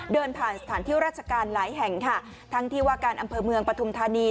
เดินผ่านสถานที่ราชการหลายแห่งค่ะทั้งที่ว่าการอำเภอเมืองปฐุมธานี